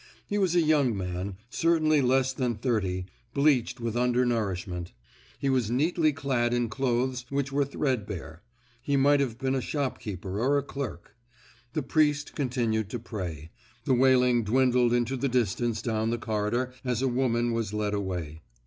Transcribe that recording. He was a young man, certainly less than thirty, bleached with under nourishment. He was neatly clad in clothes which were thread bare; he might have been a shop keeper or a clerk. The priest continued to pray—the wailing dwindled into the distance down the corridor as a woman was led away.